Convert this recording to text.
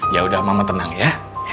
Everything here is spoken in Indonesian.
yaudah mama tenang ya